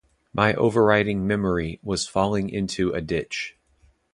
My overriding memory was falling into a ditch!